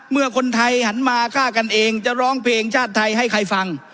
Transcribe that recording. เมื่อคนไทยหันมาฆ่ากันเองจะร้องเพลงชาติไทยให้ใครฟัง